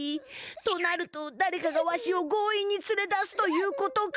となるとだれかがわしを強引につれ出すということか。